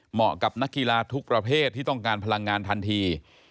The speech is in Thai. เหมาะกับนักกีฬาทุกประเภทที่ต้องการพลังงานทันที